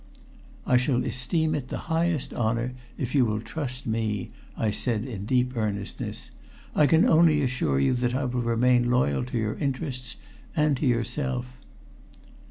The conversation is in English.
"I shall esteem it the highest honor if you will trust me," I said in deep earnestness. "I can only assure you that I will remain loyal to your interests and to yourself."